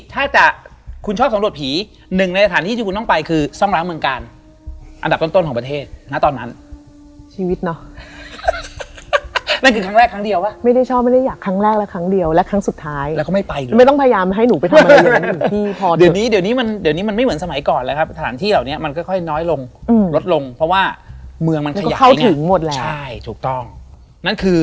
มันนั่งกันตัวดำ๒คนเลยอะแล้วมันก็แต่สุดท้ายมันเวิร์ค